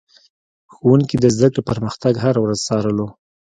ښوونکي د زده کړې پرمختګ هره ورځ څارلو.